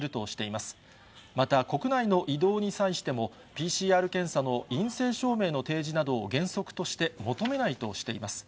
また国内の移動に際しても、ＰＣＲ検査の陰性証明の提示などを原則として求めないとしています。